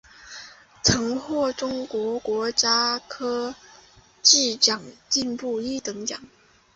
曾获中国国家科技进步一等奖。